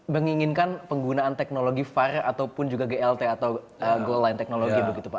menginginkan penggunaan teknologi var ataupun juga glt atau goal line technology begitu pak